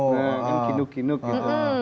nah ini ginuk ginuk gitu